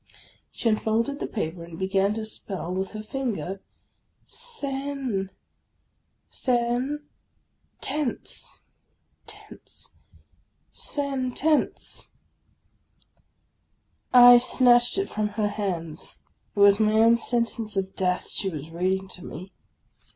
She unfolded the paper, and began to spell with her finger, "SEN — sen, — T E N c E — tence, — Sentence." I snatched it from her hands. It was my own sentence of death she was reading to me!